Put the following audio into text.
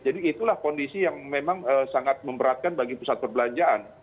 jadi itulah kondisi yang memang sangat memberatkan bagi pusat pembelanjaan